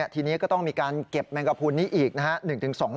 ทีนี้ก็ต้องมีการเก็บแมงกระพุนนี้อีกนะฮะ